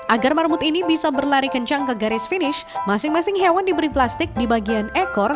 agar marmut ini bisa berlari kencang ke garis finish masing masing hewan diberi plastik di bagian ekor